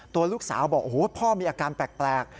ตัวลูกสาวบอกโอ้โหพ่อมีอาการแปลก